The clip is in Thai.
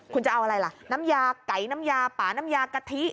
คุณจะเอาอะไรล่ะน้ำยาไก่น้ำยาป่าน้ำยากะทิ